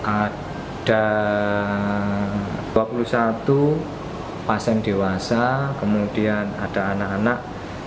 ada dua puluh satu pasien dewasa kemudian ada anak anak